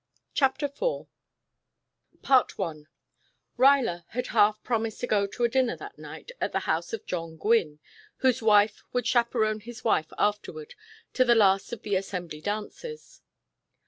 CHAPTER IV I Ruyler had half promised to go to a dinner that night at the house of John Gwynne, whose wife would chaperon his wife afterward to the last of the Assembly dances.